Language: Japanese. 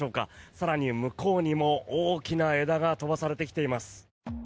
更に向こうにも大きな枝が飛ばされてきています。